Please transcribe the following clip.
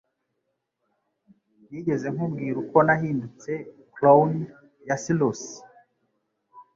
Nigeze nkubwira uko nahindutse clown ya sirusi?